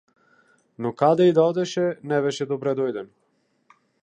Но каде и да одеше, не беше добредојден.